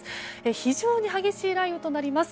非常に激しい雷雨となります。